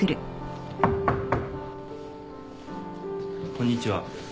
こんにちは。